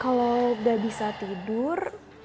kalau gak bisa tidur